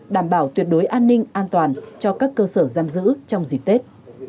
đảm bảo tuyệt đối an ninh an toàn cho các cơ sở giam giữ trong dịp tết